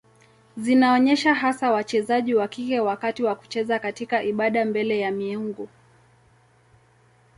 Zinaonyesha hasa wachezaji wa kike wakati wa kucheza katika ibada mbele ya miungu.